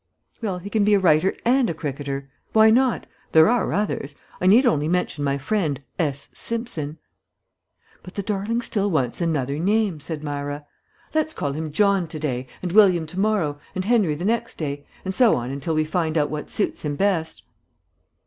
"Well, he can be a writer and a cricketer. Why not? There are others. I need only mention my friend, S. Simpson." "But the darling still wants another name," said Myra. "Let's call him John to day, and William to morrow, and Henry the next day, and so on until we find out what suits him best."